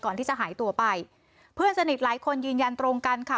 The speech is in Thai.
ก่อนที่จะหายตัวไปเพื่อนสนิทหลายคนยืนยันตรงกันค่ะ